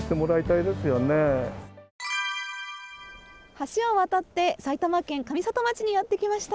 橋を渡って埼玉県上里町にやってきました。